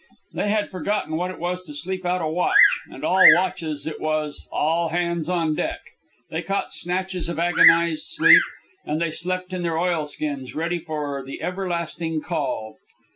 They had forgotten what it was to sleep out a watch, and all watches it was, "All hands on deck!" They caught snatches of agonized sleep, and they slept in their oilskins ready for the everlasting call.